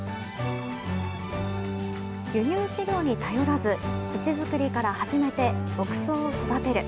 輸入飼料に頼らず、土作りから始めて、牧草を育てる。